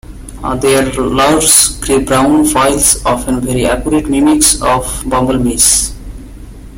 They are large, gray-brown flies, often very accurate mimics of bumblebees.